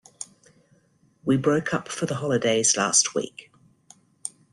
We broke up for the holidays last week